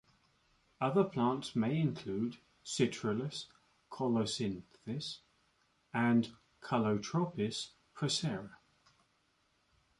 Other plants may include Citrullus colocynthis and Calotropis procera.